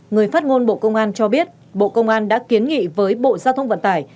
người phát ngôn bộ công an cho biết bộ công an đã kiến nghị với bộ giao thông vận tải